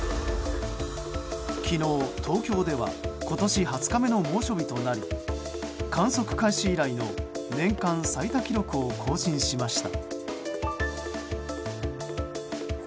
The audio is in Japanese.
昨日、東京では今年２０日目の猛暑日となり観測開始以来の年間最多記録を更新しました。